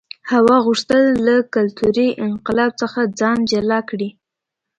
هوا غوښتل له کلتوري انقلاب څخه ځان جلا کړي.